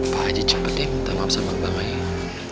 pak haji cepet deh minta maaf sama bang ayo